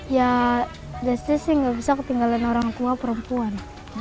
ya desti sih gak bisa ketinggalan orang tua perempuan